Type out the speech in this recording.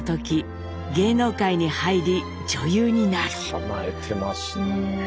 かなえてますね。